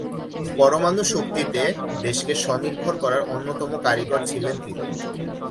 পরমাণু শক্তিতে দেশকে স্বনির্ভর করার অন্যতম কারিগর ছিলেন তিনি।